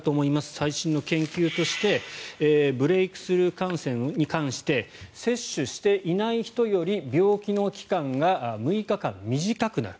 最新の研究としてブレークスルー感染に関して接種していない人より病気の期間が６日間短くなる。